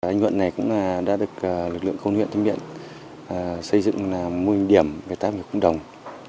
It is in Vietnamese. anh nguyễn này cũng đã được lực lượng công nguyện thân miện xây dựng là môi điểm về tác biệt cộng đồng